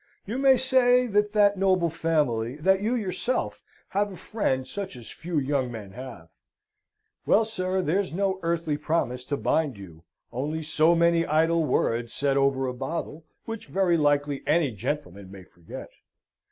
You may say that that noble family, that you yourself, have a friend such as few young men have. Well, sir, there's no earthly promise to bind you only so many idle words said over a bottle, which very likely any gentleman may forget.